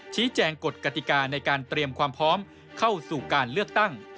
กฎกติกาในการเตรียมความพร้อมเข้าสู่การเลือกตั้ง